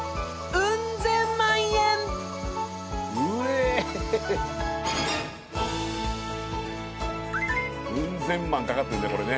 ウン千万かかってんだこれね。